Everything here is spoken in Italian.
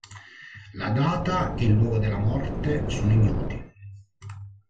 La data e il luogo della morte sono ignoti.